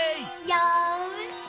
よし！